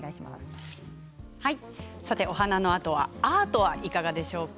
お花のあとはアートはいかがでしょうか。